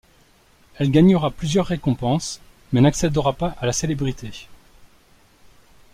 Elle gagnera plusieurs récompenses mais n'accédera pas à la célébrité.